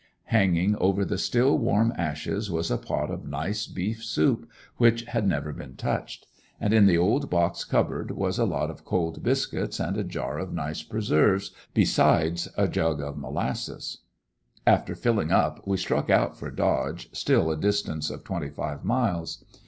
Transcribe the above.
Hanging over the still warm ashes was a pot of nice beef soup which had never been touched. And in the old box cupboard was a lot of cold biscuits and a jar of nice preserves, besides a jug of molasses, etc. After filling up we struck out for Dodge, still a distance of twenty five miles.